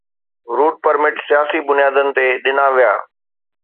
Route permit سياسي بنيادن تي ڏنا ويا.